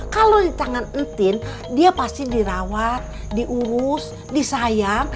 kalau di tangan entin dia pasti dirawat diurus disayang